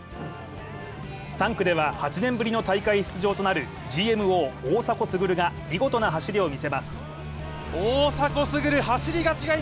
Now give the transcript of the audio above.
３区では８年ぶりの大会出場となるＧＭＯ・大迫傑が見事な走りを見せます。